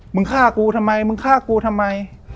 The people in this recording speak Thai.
มึงฆ่ากูทำไมมึงฆ่ากูทำไม